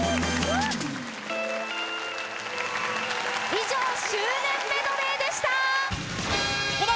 以上周年メドレーでした！